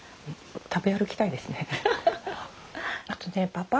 食べ歩きたいですね。